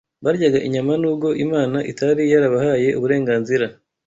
Baryaga inyama nubwo Imana itari yarabahaye uburenganzira